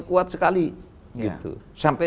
kuat sekali gitu sampai